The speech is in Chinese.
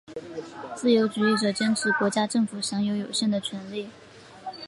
自由主义者坚持国家政府享有有限的权力。